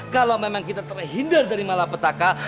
kalau memang kita terhindar dari malapetaka